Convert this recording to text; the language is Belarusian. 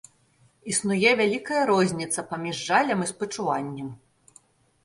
Існуе вялікая розніца паміж жалем і спачуваннем.